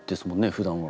ふだんは。